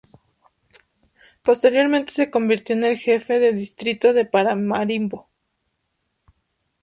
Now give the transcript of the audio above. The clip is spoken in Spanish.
Posteriormente se convirtió en jefe del Distrito de Paramaribo.